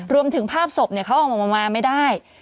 รวมถึงภาพศพเขาออกมาไม่ได้